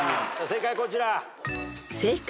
正解はこちら。